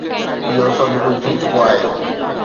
اهو سڀ ڪجهه ٿي چڪو آهي.